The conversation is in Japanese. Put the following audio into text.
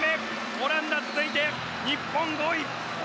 オランダ続いて日本は５位。